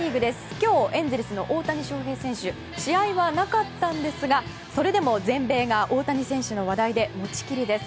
今日、エンゼルスの大谷翔平選手試合はなかったんですがそれでも全米が大谷選手の話題で持ちきりです。